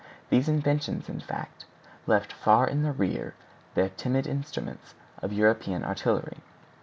These inventions, in fact, left far in the rear the timid instruments of European artillery.